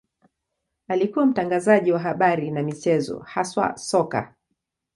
Alikuwa mtangazaji wa habari na michezo, haswa soka.